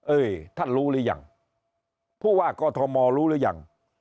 ท่านรู้หรือยังผู้ว่ากอทมรู้หรือยัง